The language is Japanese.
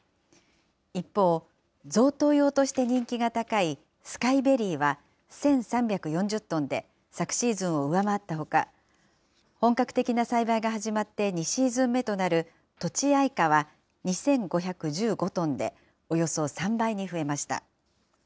一方、贈答用として人気が高いスカイベリーは１３４０トンで、昨シーズンを上回ったほか、本格的な栽培が始まって２シーズン目となるとちあいかは２５１５トンで、およそ３倍に増えました。